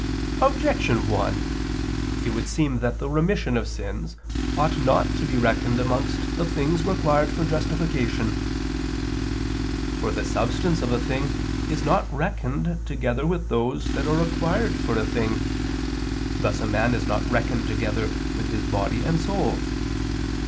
Objection 1: It would seem that the remission of sins ought not to be reckoned amongst the things required for justification. For the substance of a thing is not reckoned together with those that are required for a thing; thus a man is not reckoned together with his body and soul.